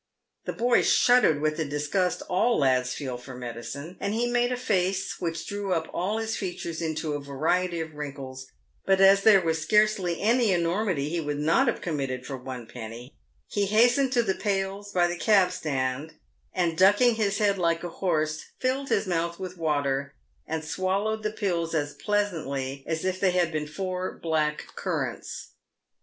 The boy shuddered with the disgust all lads feel for medicine, and he made a face which drew up all his features into a variety of wrinkles, but as there was scarcely any enormity he would not have committed for one penny, he hastened to the pails by the cab stand, and ducking his head like a horse, filled his mouth with water, and swallowed the pills as pleasantly as if they had been four black currants.